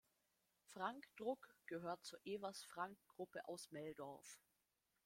Frank-Druck gehört zur Evers-Frank-Gruppe aus Meldorf.